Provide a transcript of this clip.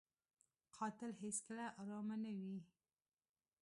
قاتل هېڅکله ارامه نه وي